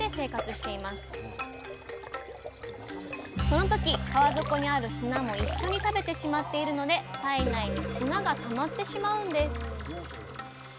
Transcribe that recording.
その時川底にある砂も一緒に食べてしまっているので体内に砂がたまってしまうんです。